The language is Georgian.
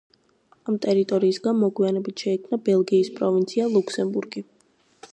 ამ ტერიტორიისგან მოგვიანებით შეიქმნა ბელგიის პროვინცია ლუქსემბურგი.